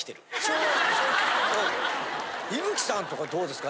伊吹さんとかどうですか？